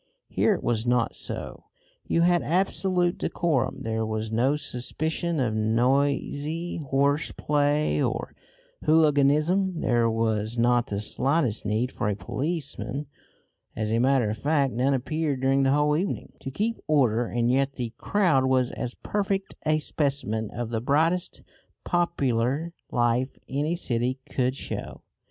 Here it was not so. You had absolute decorum; there was no suspicion of noisy horseplay or hooliganism; there was not the slightest need for a policeman (as a matter of fact none appeared during the whole evening) to keep order; and yet the crowd was as perfect a specimen of the brightest popular life any city could show.